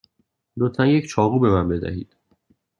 لطفا یک چاقو به من بدهید.